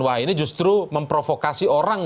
wah ini justru memprovokasi orang